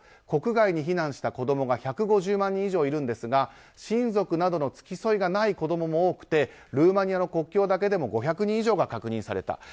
国外に避難した子供が１５０万人以上いるんですが親族などの付き添いがない子供も多くてルーマニアの国境だけでも５００人以上が確認された。